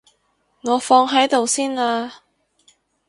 我放喺度先啦